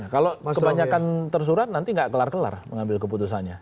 kalau kebanyakan tersurat nanti tidak kelar kelar mengambil keputusannya